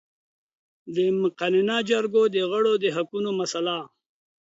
د مقننه جرګو د غړو د حقونو مسئله